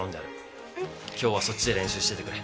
今日はそっちで練習しててくれ。